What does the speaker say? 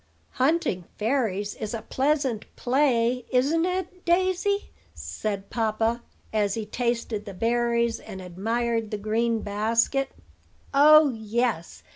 "Hunting fairies is a pleasant play, isn't it, Daisy?" said papa, as he tasted the berries, and admired the green basket. "Oh, yes!